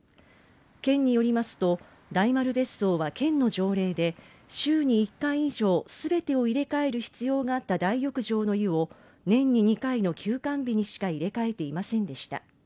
県によりますと、大丸別荘は県の条例で週に１回以上全てを入れ替える必要があった大浴場の湯を年に２回の休館日にしか入れ替えていませんでした。